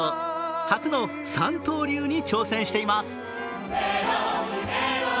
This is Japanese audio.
初の三刀流に挑戦しています。